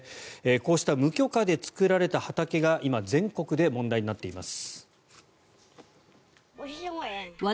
こうした無許可で作られた畑が今、全国で問題になっています。